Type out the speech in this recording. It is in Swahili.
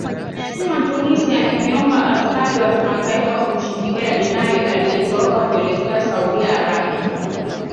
amesema tunisia imeomba askari wa kimataifa kumshikilia benali aliyetoroka kuelekea saudia arabia